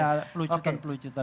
ya ada pelucutan pelucutan